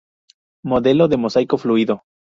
Modelo de mosaico fluido